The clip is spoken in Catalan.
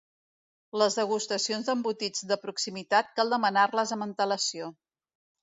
Les degustacions d'embotits de proximitat cal demanar-les amb antelació.